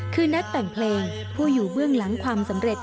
คือนักแต่งเพลงผู้อยู่เบื้องหลังความสำเร็จ